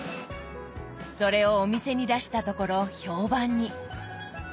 それをお店に出したところ評判に。